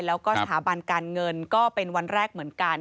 แล้วก็สถาบันการเงินก็เป็นวันแรกเหมือนกัน